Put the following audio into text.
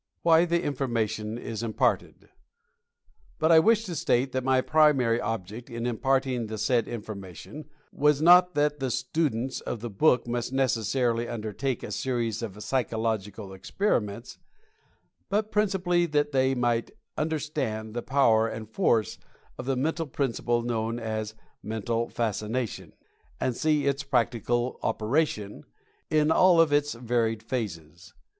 WHY THE INFORMATION IS IMPARTED. But I wish to state that my primary object in im parting the said information was not that the students 147 148 Mental Fascination of the book must necessarily undertake a series of psychological experiments, but principally that they might understand the power and force of the mental principle known as "Mental Fascination," and see its practical operation in all of its varied phases.